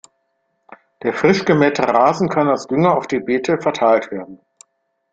Der frisch gemähte Rasen kann als Dünger auf die Beete verteilt werden.